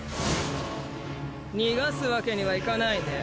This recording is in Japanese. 逃がすわけにはいかないね。